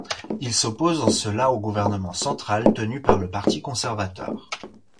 Il s'oppose en cela au gouvernement central tenu par le parti conservateur.